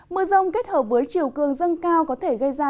mưa rông kết hợp với chiều cường dâng cao có thể gây ra